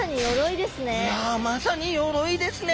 いやまさに鎧ですね！